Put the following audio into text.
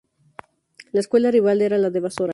La escuela rival era la de Basora.